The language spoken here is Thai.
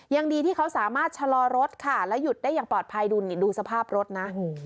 ยังดีที่เขาสามารถชะลอรถค่ะแล้วหยุดได้อย่างปลอดภัยดูนี่ดูสภาพรถนะ